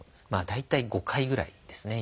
大体５回ぐらいですね